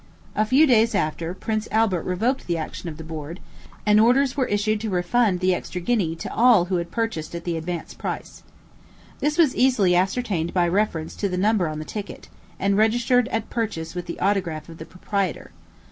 A few days after, Prince Albert revoked the action of the board, and orders were issued to refund the extra guinea to all who had purchased at the advanced price. This was easily ascertained by reference to the number on the ticket, and registered at purchase with the autograph of the proprietor.